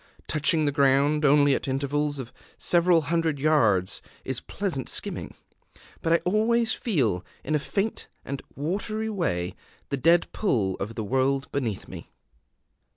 Touching the ground only at intervals of several hundred yards is pleasant skimming; but I always feel, in a faint and watery way, the dead pull of the world beneath me.